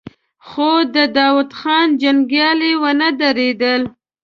خو د داوود خان جنګيالي ونه درېدل.